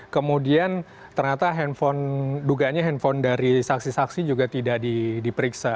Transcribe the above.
kemudian ternyata handphone dugaannya handphone dari saksi saksi juga tidak diperiksa